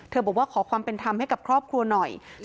บอกว่าขอความเป็นธรรมให้กับครอบครัวหน่อย